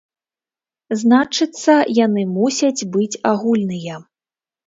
Значыцца, яны мусяць быць агульныя.